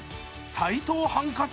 斎藤ハンカチ